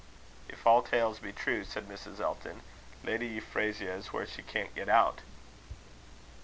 "If all tales be true," said Mrs. Elton, "Lady Euphrasia is where she can't get out."